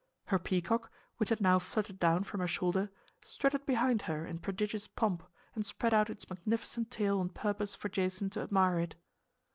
Her peacock, which had now fluttered down from her shoulder, strutted behind her in prodigious pomp and spread out its magnificent tail on purpose for Jason to admire it.